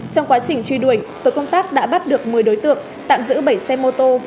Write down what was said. trong quá trình truy đuổi tổ công tác đã bắt được một mươi đối tượng tạm giữ bảy xe mô tô